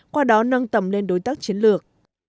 qua đó nâng tầm lên đối tác chiến lược